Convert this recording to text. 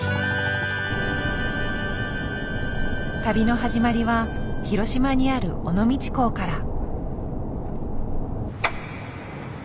旅の始まりは広島にある尾道港から。